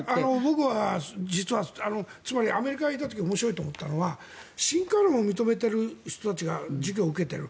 僕は実はアメリカにいた時に面白いと思ったのは進化論を認めてる人たちが授業を受けている。